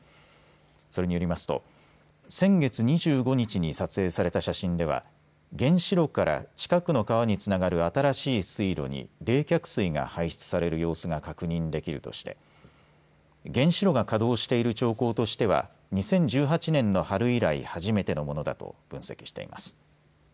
それによりますと先月２５日に撮影された写真では原子炉から近くの川につながる新しい水路に冷却水が排出される様子が確認できるとして原子炉が稼働している兆候としては２０１８年の春以来、初めてのものだと分析しています。